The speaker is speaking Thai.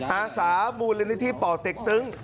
อาสามูลนิธิป่อเต็กตึ้ง